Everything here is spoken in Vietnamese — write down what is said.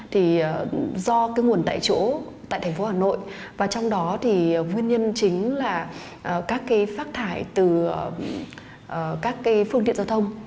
thì do cái nguồn tại chỗ tại thành phố hà nội và trong đó thì nguyên nhân chính là các cái phát thải từ các cái phương tiện giao thông